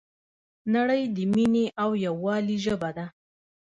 نړۍ د مینې او یووالي ژبه ده.